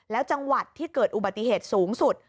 แล้วจังหวัดที่เกิดอุบัติเหตุสูงสุด